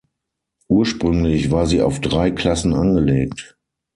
Ursprünglich war sie auf drei Klassen angelegt.